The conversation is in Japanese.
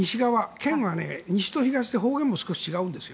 県は西と東で方言も少し違うんです。